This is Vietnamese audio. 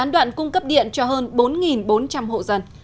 đoạn cung cấp điện cho hơn bốn bốn trăm linh hộ dân